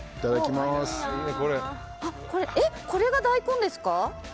これが大根ですか。